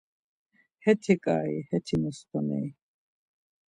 Heti ǩai, heti nostonyari.